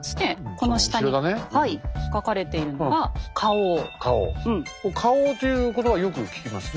この下にはい書かれているのが「花押」という言葉はよく聞きますねえ。